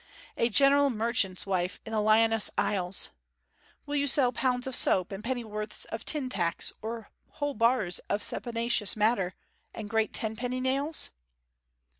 A "general merchant's" wife in the Lyonesse Isles. Will you sell pounds of soap and pennyworths of tin tacks, or whole bars of saponaceous matter, and great tenpenny nails?'